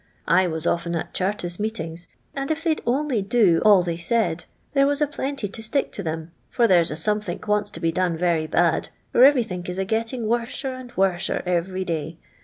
I waa often at Chartist meetings, and if they'd only do all they said there was a planty to stick to tl^m, for there's a somethink wants to be done very bad, lor every think is a getiin' worser and worser every day.